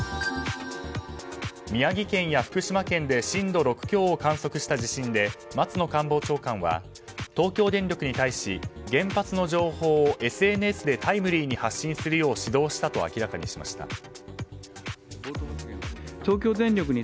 宮城県や福島県で震度６強を観測した地震で松野官房長官は東京電力に対し原発の情報をＳＮＳでタイムリーに発信するよう指導したと明らかにしました。